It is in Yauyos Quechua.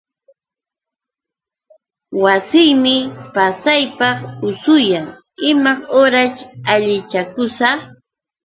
Wasiymi pasaypaq usuyan. Imay uraćh allichakushaq?